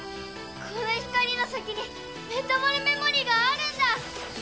この光の先にメタモルメモリーがあるんだ。